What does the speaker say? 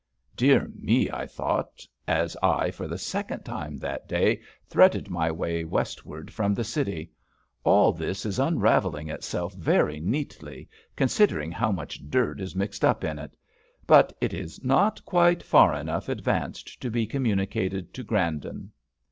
"Dear me," I thought, as I for the second time that day threaded my way westwards from the City, "all this is unravelling itself very neatly, considering how much dirt is mixed up in it, but it is not quite far enough advanced to be communicated to Grandon."